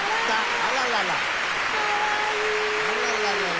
あららららら。